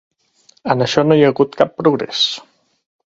En això no hi ha hagut cap progrés.